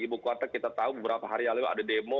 ibu kuota kita tahu beberapa hari lalu ada demo